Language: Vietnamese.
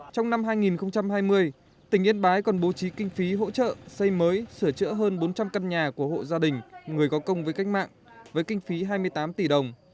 trong năm hai nghìn hai mươi tỉnh yên bái còn bố trí kinh phí hỗ trợ xây mới sửa chữa hơn bốn trăm linh căn nhà của hộ gia đình người có công với cách mạng với kinh phí hai mươi tám tỷ đồng